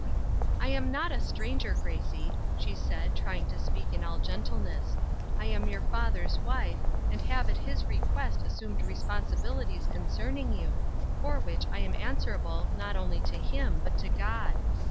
" I am not a stranger, Gracie," she said, trying to speak in all gentleness. " I am your father's wife, and have at his request assumed responsi bilities concerning you, for which I am answer able, not only to him, but to God.